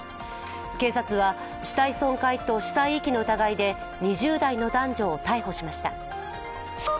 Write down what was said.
警察は死体損壊と死体遺棄の疑いで２０代の男女を逮捕しました。